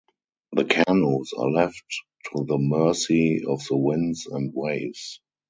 The canoes are left to the mercy of the winds and waves.